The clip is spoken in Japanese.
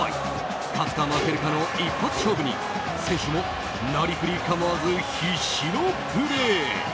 勝つか負けるかの一発勝負に選手もなりふり構わず必死のプレー。